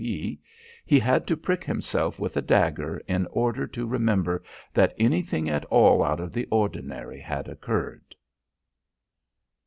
P., he had to prick himself with a dagger in order to remember that anything at all out of the ordinary had occurred.